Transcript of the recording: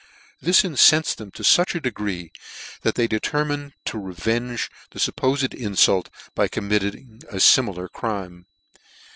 This incenfed' them to fuch a degree, that they determined to revenge the fuppofed infult by committing a fimilar crime.